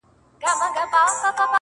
باران زما د کور له مخې څخه دوړې يوړې”